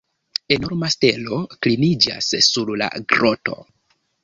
Enorma stelo kliniĝas sur la groto.